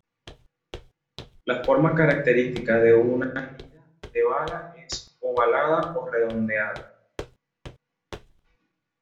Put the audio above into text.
La forma característica de una herida de bala es ovalada o redondeada.